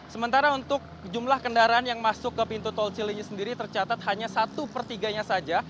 sementara untuk jumlah kendaraan yang masuk ke pintu tol cileni sendiri tercatat hanya satu pertiganya saja